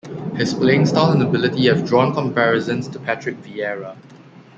His playing style and ability have drawn comparisons to Patrick Vieira.